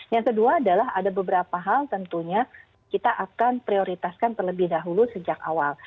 yang kedua adalah ada beberapa hal tentunya kita akan prioritaskan terlebih dahulu sejak awal